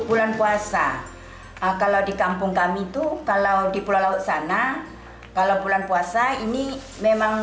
bulan puasa kalau di kampung kami itu kalau di pulau laut sana kalau bulan puasa ini memang